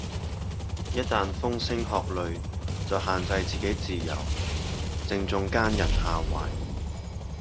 一但風聲鶴唳就限制自己自由，正中奸人下懷